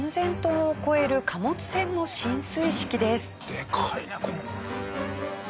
でかいねこの。